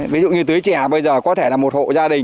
ví dụ như tưới trẻ bây giờ có thể là một hộ gia đình